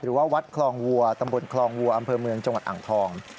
วัดคลองวัวตำบลคลองวัวอำเภอเมืองจังหวัดอ่างทอง